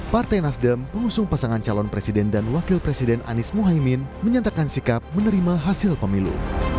partai nasdem pengusung pasangan calon presiden dan wakil presiden anies mohaimin menyatakan sikap menerima hasil pemilu